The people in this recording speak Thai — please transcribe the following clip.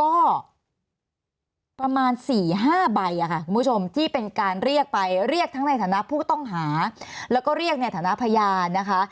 ก็ประมาณ๔๕ใบค่ะคุณผู้ชมที่เป็นการเรียกไปเรียกทั้งในฐานะผู้ต้องหาแล้วก็เรียกในฐานะพยานนะคะ